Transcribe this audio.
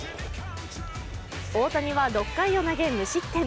大谷は６回を投げ無失点。